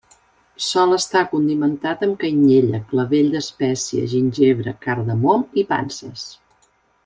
Sol estar condimentat amb canyella, clavell d'espècia, gingebre, cardamom i panses.